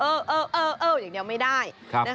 เอออย่างเดียวไม่ได้